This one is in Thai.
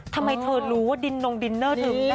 ทำไมเธอรู้ว่าดินนงดินเนอร์ถึง